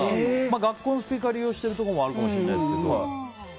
学校のスピーカーを利用しているところもあるかもしれないですけど。